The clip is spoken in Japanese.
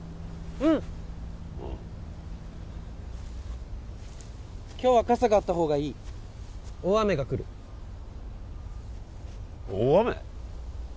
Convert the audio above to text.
うん今日は傘があった方がいい大雨が来る大雨？